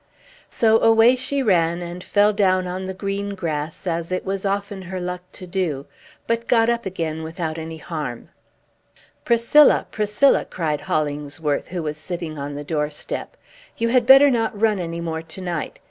So away she ran, and fell down on the green grass, as it was often her luck to do, but got up again, without any harm. "Priscilla, Priscilla!" cried Hollingsworth, who was sitting on the doorstep; "you had better not run any more to night.